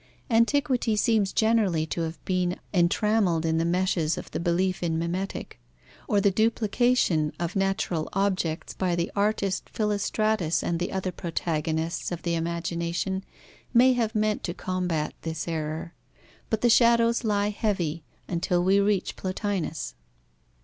Antiquity seems generally to have been entrammelled in the meshes of the belief in mimetic, or the duplication of natural objects by the artist Philostratus and the other protagonists of the imagination may have meant to combat this error, but the shadows lie heavy until we reach Plotinus.